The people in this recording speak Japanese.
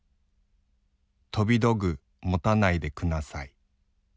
とびどぐもたないでくなさい。